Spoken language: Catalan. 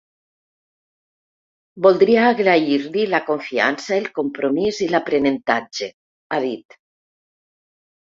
“Voldria agrair-li la confiança, el compromís i l’aprenentatge”, ha dit.